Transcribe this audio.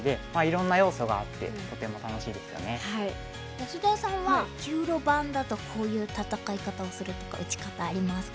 安田さんは９路盤だとこういう戦い方をするとか打ち方ありますか？